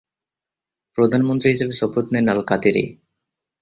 প্রধানমন্ত্রী হিসাবে শপথ নেন আল কাতিরি।